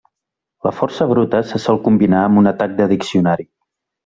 La força bruta se sol combinar amb un atac de diccionari.